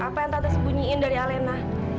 apa yang tante sembunyiin dari alena